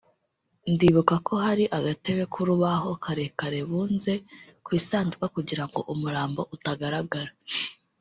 ndibuka ko hari agatebe k’urubaho karekare bunze ku isanduku kugirango umurambo utagaragara